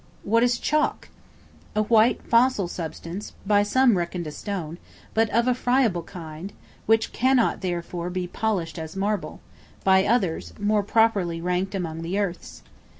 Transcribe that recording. What is Chalk? A white fossil substance, by some reckoned a stone, but of a friable kind, which cannot, therefore, be polished as marble; by others, more properly ranked among the earths.